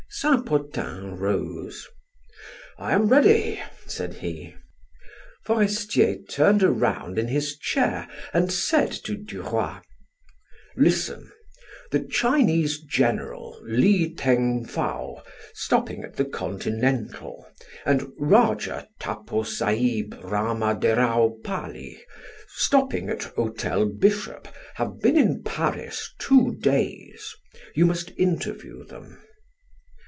Saint Potin rose: "I am ready," said he. Forestier turned around in his chair and said, to Duroy: "Listen. The Chinese general Li Theng Fao, stopping at the Continental, and Rajah Taposahib Ramaderao Pali, stopping at Hotel Bishop, have been in Paris two days. You must interview them."